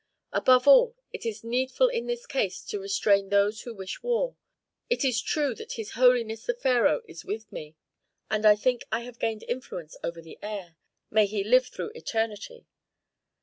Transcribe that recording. "Above all, it is needful in this case to restrain those who wish war. It is true that his holiness the pharaoh is with me, and I think I have gained influence over the heir, may he live through eternity!